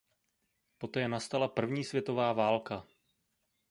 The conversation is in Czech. Poté nastala první světová válka.